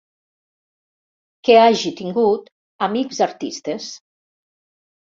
Que hagi tingut amics artistes.